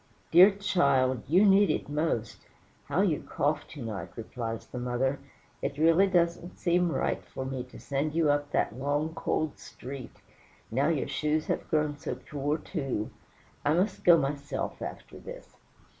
"Dear child, you need it most. How you cough to night!" replies the mother; "it really don't seem right for me to send you up that long, cold street; now your shoes have grown so poor, too; I must go myself after this."